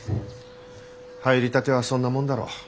入りたてはそんなもんだろう。